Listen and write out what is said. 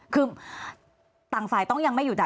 คือต่างฝ่ายต้องยังไม่หยุด